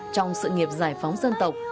trong sự nghiệp giải phóng dân tộc